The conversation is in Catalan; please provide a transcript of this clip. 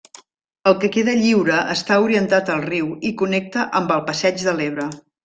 El que queda lliure està orientat al riu i connecta amb el Passeig de l'Ebre.